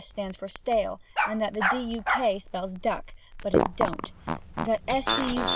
stands for stale, and that D. U. K. spells duck, (but it don't,) that S. D. U.